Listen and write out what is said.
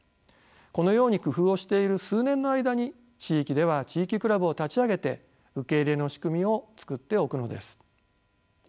このように工夫をしている数年の間に地域では地域クラブを立ち上げて受け入れの仕組みを作っておくのです。